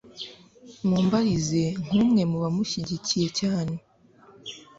mumbarize nkumwe mubamushyigikiye cyane